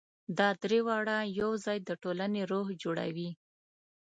دا درې واړه یو ځای د ټولنې روح جوړوي.